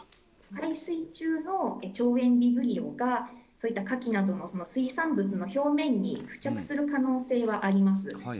海水中の腸炎ビブリオが、そういったカキなどの水産物の表面に付着する可能性はあります。